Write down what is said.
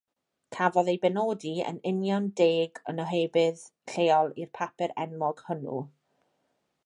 Cafodd ei benodi yn union deg yn ohebydd lleol i'r papur enwog hwnnw.